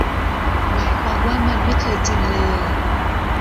หมายความว่ามันไม่เคยจริงเลย